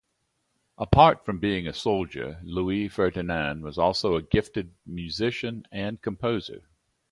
Apart from being a soldier, Louis Ferdinand was also a gifted musician and composer.